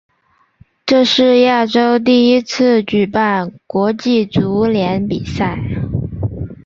这是亚洲第一次举办国际足联比赛。